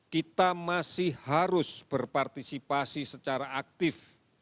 kita masih harus berpartisipasi secara aktif